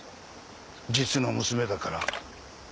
実の娘だから？